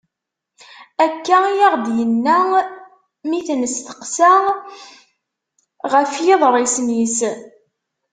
Akka i aɣ-d-yenna mi i t-nesteqsa ɣef yiḍrisen-is.